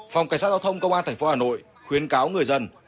phòng cảnh sát giao thông công an thành phố hà nội khuyến cáo người dân